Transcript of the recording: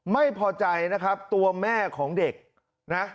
ไม่พอใจนะครับตัวแม่ของเด็กนะ